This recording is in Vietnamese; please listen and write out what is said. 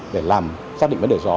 để làm xác định vấn đề gió